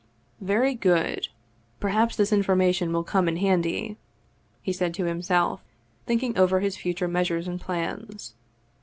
" Very good ! Perhaps this information will come in handy !" he said to himself, thinking over his future meas ures and plans.